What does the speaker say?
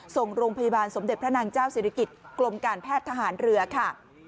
ส่งโรงพยาบาลสมเด็จพระนางเจ้าศิริกิจกรมการแพทย์ทหารเรือค่ะ